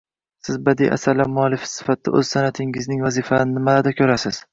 Siz badiiy asarlar muallifi sifatida oʻz sanʼatiningizning vazifalarini nimalarda koʻrasiz